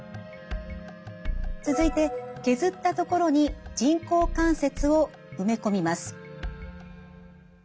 続いて削った所に人工関節を埋め込みます。